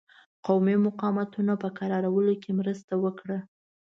قومي مقاومتونو په کرارولو کې مرسته وکړه.